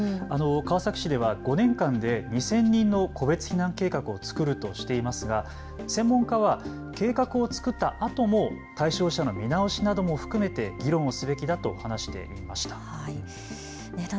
川崎市では５年間で２０００人の個別避難計画を作るとしていますが専門家は計画を作ったあとも対象者の見直しなども含めて議論をすべきだと話していました。